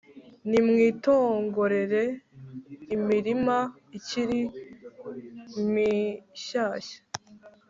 Nimwitongorere imirima ikiri mishyashya;